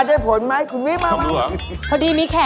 ขอแข็งคุณพี่นุ้ยค่ะ